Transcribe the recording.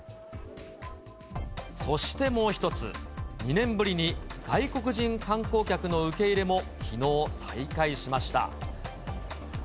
そしてもう一つ、２年ぶりに外国人観光客の受け入れもきのう再開しました。